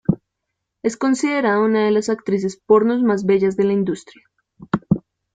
Es considerada una de las actrices porno más bellas de la industria.